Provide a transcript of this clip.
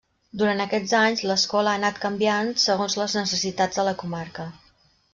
Durant aquests anys l'escola ha anat canviant segons les necessitats de la comarca.